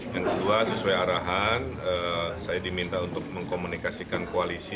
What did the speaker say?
yang kedua sesuai arahan saya diminta untuk mengkomunikasikan koalisi